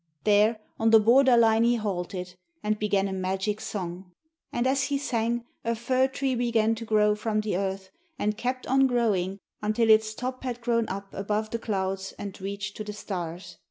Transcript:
There, on the border line he halted, and began a magic song. And as he sang a fir tree began to grow from the earth, and kept on growing until its top had grown up above the clouds and reached to the stars.